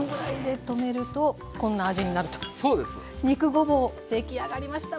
肉ごぼう出来上がりました。